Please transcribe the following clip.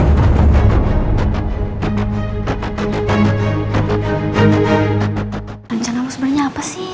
rancangan lo sebenernya apa sih